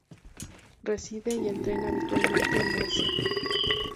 Reside y entrena habitualmente en Brescia.